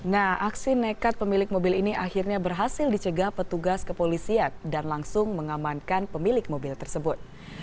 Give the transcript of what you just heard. nah aksi nekat pemilik mobil ini akhirnya berhasil dicegah petugas kepolisian dan langsung mengamankan pemilik mobil tersebut